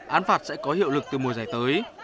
án phạt sẽ có hiệu lực từ mùa giải tới